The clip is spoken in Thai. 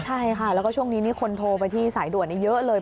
ใช่ค่ะแล้วก็ช่วงนี้นี่คนโทรไปที่สายด่วนนี้เยอะเลย